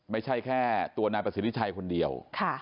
ไม่ใช่แค่ตัวนายประสิทธิชัยคนเดียว